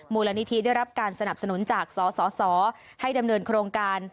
มูลนิธิได้รับการสนับสนุนจากสสให้ดำเนินโครงการ